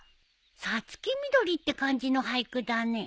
五月みどりって感じの俳句だね。